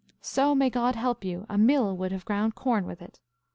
So may God help you, a mill would have ground corn with it.